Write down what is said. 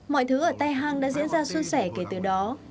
mọi thứ ở tây hàng đã diễn ra xuân sẻ kể từ đó